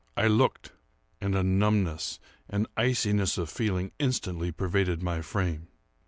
I looked;—and a numbness, an iciness of feeling instantly pervaded my frame.